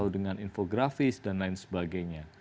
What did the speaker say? dengan infografis dan lain sebagainya